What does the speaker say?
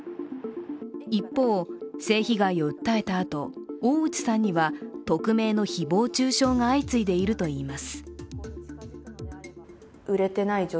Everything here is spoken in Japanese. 一方、性被害を訴えたあと大内さんには匿名の誹謗中傷が相次いでいるといいます。